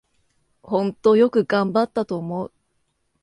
ほんとよく頑張ったと思う